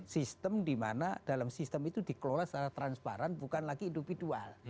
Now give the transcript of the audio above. sistem di mana dalam sistem itu dikelola secara transparan bukan lagi individual